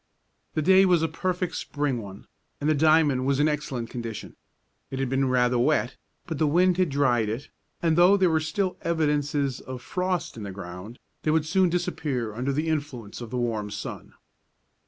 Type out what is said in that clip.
The day was a perfect Spring one, and the diamond was in excellent condition. It had been rather wet, but the wind had dried it, and, though there were still evidences of frost in the ground, they would soon disappear under the influence of the warm sun.